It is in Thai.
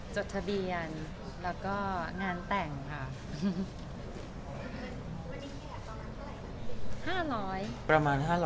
สวัสดีครับ